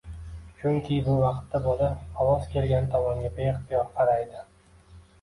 Chunki bu vaqtda bola ovoz kelgan tomonga beixtiyor qaraydi.